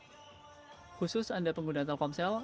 khusus anda pengguna telkomsel